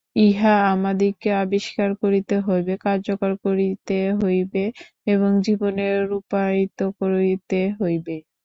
ইহা আমাদিগকে আবিষ্কার করিতে হইবে, কার্যকর করিতে হইবে এবং জীবনে রূপায়িত করিতে হইবে।